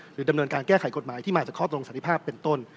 ดำเนินการแก้ไขกฎหมายที่มาจากข้อตรงสันติภาพเป็นต้น